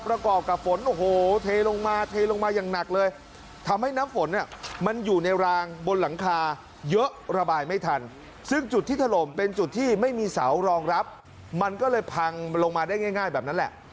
ประกอบกับฝนโอ้โหเทลงมาเทลงมาอย่างหนักเลยทำให้น้ำฝนเนี่ยมันอยู่ในรางบนหลังคาเยอะระบายไม่ทันซึ่งจุดที่ถล่มเป็นจุดที่ไม่มีเสารองรับมันก็เลยพังมันลงมาได้ง่ายแบบนั้นแหละ